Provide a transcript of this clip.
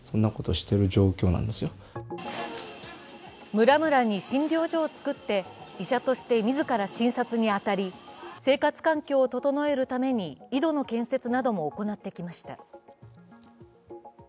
村々に診療所を作って医者として自ら診察にあたり、生活環境を整えるために井戸の建設なども行ってきました。